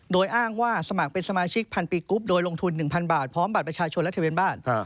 โดยอ้างว่าสมัครเป็นสมาชิกพันปีกรุ๊ปโดยลงทุน๑๐๐บาทพร้อมบัตรประชาชนและทะเบียนบ้าน